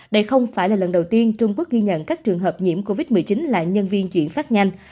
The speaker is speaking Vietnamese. đây không phải là lần đầu tiên trung quốc ghi nhận các trường hợp nhiễm covid một mươi chín là nhân viên chuyển phát nhanh